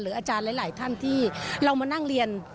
อาจารย์หลายท่านที่เรามานั่งเรียน